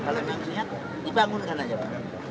kalau nggak bisa dibangunkan aja pak